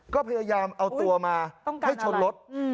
ก็พยายามเอาตัวมาให้ชนรถ